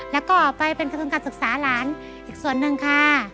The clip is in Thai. แล้วก็ไปเป็นกระทุนการศึกษาหลานอีกส่วนหนึ่งค่ะ